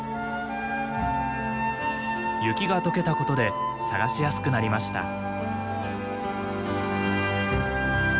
雪が解けたことで探しやすくなりました。